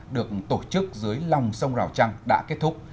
được tổ chức dưới lòng sông rào trăng đã kết thúc